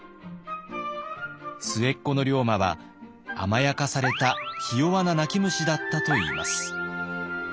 末っ子の龍馬は甘やかされたひ弱な泣き虫だったといいます。